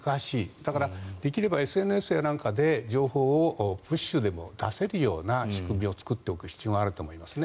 だからできればＳＮＳやなんかで情報をプッシュでも出せるような仕組みを作っておく必要があると思いますね。